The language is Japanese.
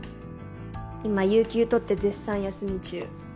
今有休取って絶賛休み中。